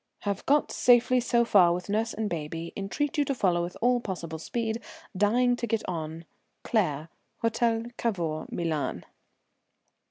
"Have got safely so far with nurse and baby entreat you to follow with all possible speed dying to get on. CLAIRE, Hôtel Cavour, Milan."